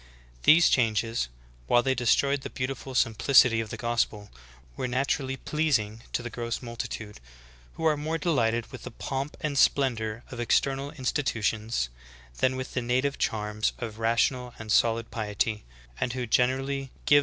These changes, while they destroyed the beau tiful simplicity of the gospel, were naturally pleasing to the gross multitude, who are more delighted with the pomp and splendor of external institutions than with the native charms of rational and solid piety, and who generally give 114 THE GREAT APOSTASY.